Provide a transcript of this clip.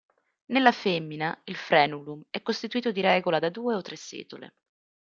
Nella femmina, il "frenulum" è costituito di regola da due o tre setole.